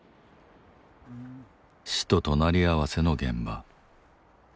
死と隣り合わせの現場。